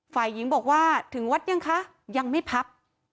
ฝ่ายหญิงบอกว่าถึงวัดยังคะยังไม่พับ